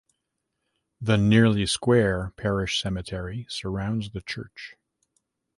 The nearly square parish cemetery surrounds the church.